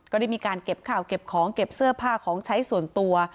ก็ได้มีการเก็บข่าวเก็บของเก็บเสื้อผ้าของใช้ส่วนตัว